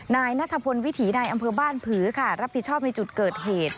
นายนัทพลวิถีในอำเภอบ้านผือค่ะรับผิดชอบในจุดเกิดเหตุ